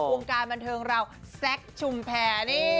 วงการบันเทิงเราแซคชุมแพรนี่